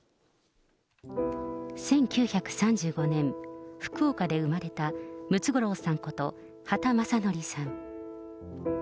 １９３５年、福岡で生まれたムツゴロウさんこと、畑正憲さん。